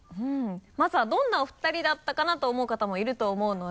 まずはどんなお二人だったかな？と思う方もいると思うので。